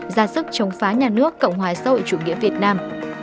gia sức chống phá nhà nước cộng hòa sâu chủ nghĩa việt nam